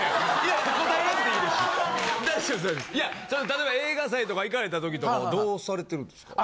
例えば映画祭とか行かれた時とかはどうされてるんですか？